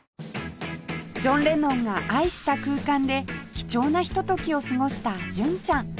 ジョン・レノンが愛した空間で貴重なひとときを過ごした純ちゃん